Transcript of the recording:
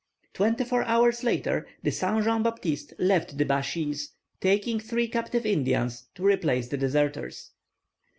Twenty four hours later the Saint Jean Baptiste left the Bashees, taking three captive Indians to replace the deserters.